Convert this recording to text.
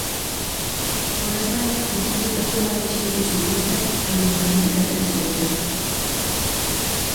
Horrez gain, lapurretako lau atxilotu zituzten haien ondotik atera zirenek.